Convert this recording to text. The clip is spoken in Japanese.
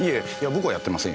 僕はやってませんよ。